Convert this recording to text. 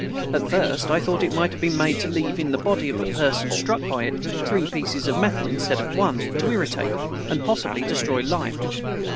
At first, I thought it might be made to leave in the body of the person struck by it three pieces of metal, instead of one, to irritate, and possibly destroy life.